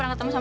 aku tak mau